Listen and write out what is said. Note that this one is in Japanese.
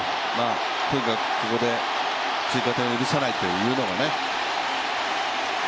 とにかくここで追加点を許さないっていうのがね。